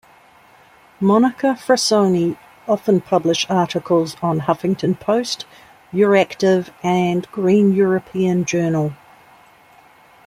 Monica Frassoni often publish articles on Huffington Post, Euractiv and Green European Journal.